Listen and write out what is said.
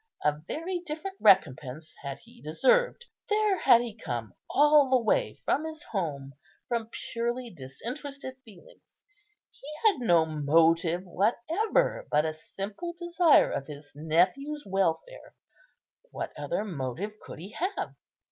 A very different recompense had he deserved. There had he come all the way from his home from purely disinterested feelings. He had no motive whatever, but a simple desire of his nephew's welfare; what other motive could he have?